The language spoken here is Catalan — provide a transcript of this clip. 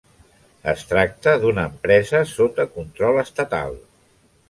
Es tracta d'una empresa sota control estatal.